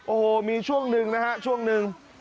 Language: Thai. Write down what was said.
โอ้โหมีช่วงหนึ่งนะฮะช่วงหนึ่ง